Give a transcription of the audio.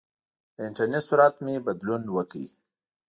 د انټرنېټ سرعت مې بدلون وکړ.